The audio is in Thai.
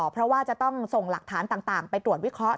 เพราะว่าจะต้องส่งหลักฐานต่างไปตรวจวิเคราะห